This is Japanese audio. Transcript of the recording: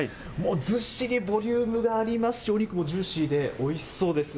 ずっしりボリュームがありますし、お肉もジューシーでおいしそうです。